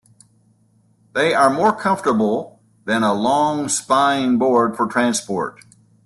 They are more comfortable than a long spine board for transport.